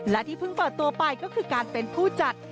และที่เพิ่งเปิดตัวไปก็คือการเป็นผู้จัด